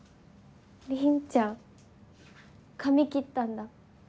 凛ちゃん髪切ったんだ。